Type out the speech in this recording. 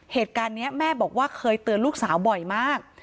เหตุการณ์นี้แม่บอกว่าเคยเตือนลูกสาวบ่อยมาก